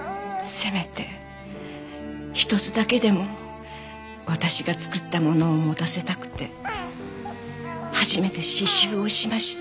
せめて一つだけでも私が作ったものを持たせたくて初めて刺繍をしました。